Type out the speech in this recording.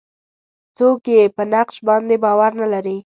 څوک یې په نقش باندې باور نه لري.